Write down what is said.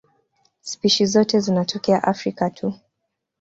Spishi zote zinatokea Afrika tu.